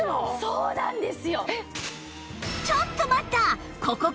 そうなんです！